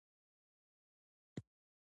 وړاندې، وړانګې، اووړه، وړ